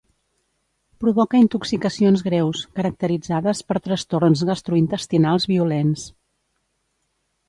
Provoca intoxicacions greus, caracteritzades per trastorns gastrointestinals violents.